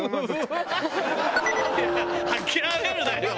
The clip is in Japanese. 諦めるなよ！